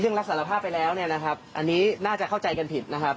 ซึ่งรับสารภาพไปแล้วเนี่ยนะครับอันนี้น่าจะเข้าใจกันผิดนะครับ